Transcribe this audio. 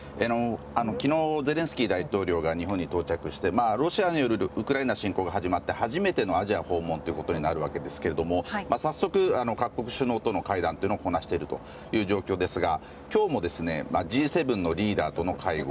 昨日、ゼレンスキー大統領が日本に到着してロシアによるウクライナ侵攻が始まって初めてのアジア訪問になるわけですけど早速、各国首脳との会談をこなしているという状況ですが今日もＧ７のリーダーとの会合。